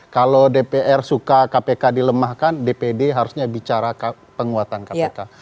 kalau dpr suka kpk dilemahkan dpd harusnya bicara penguatan kpk